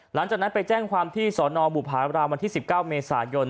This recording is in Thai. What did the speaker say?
หลังจากนั้นไปแจ้งความที่สนบุภารามวันที่๑๙เมษายน